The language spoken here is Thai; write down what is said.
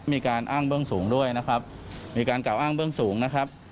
มีการอ้างเบื้องสูงด้วยนะครับมีการกล่าวอ้างเบื้องสูงนะครับ